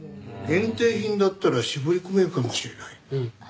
限定品だったら絞り込めるかもしれない。